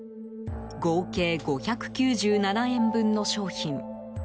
合計５９７円分の商品。